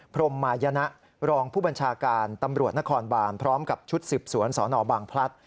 พรมมายนะรองผู้บัญชาการตำรวจนครบานพร้อมกับชุดสืบสวนสนบางพลัด